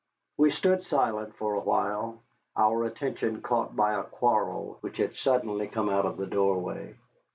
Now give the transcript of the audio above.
We stood silent for a while, our attention caught by a quarrel which had suddenly come out of the doorway.